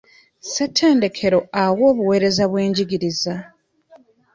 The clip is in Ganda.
Ssetendekero awa obuweereza bw'ebyenjigiriza.